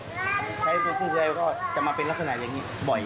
คุณซุดซายก็จะมาเป็นลักษณะอย่างนี้บ่อย